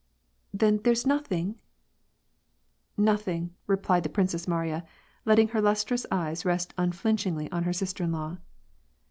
'* "Then there's nothing ?" "Nothing," replied the Princess Mariya, letting her lustrous ' eyes rest unflinchingly on her sister in law.